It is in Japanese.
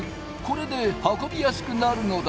これで運びやすくなるのだ。